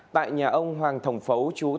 tại nhà ông hoàng thồng phấu chú tài